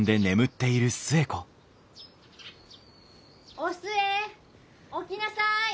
・・お寿恵起きなさい！